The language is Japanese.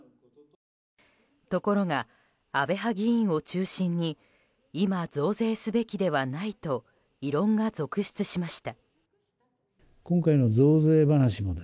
ところが、安倍派議員を中心に今、増税すべきではないと異論が続出しました。